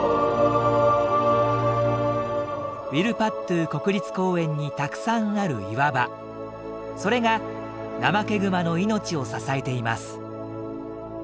ウィルパットゥ国立公園にたくさんある岩場それがナマケグマの命を支えています。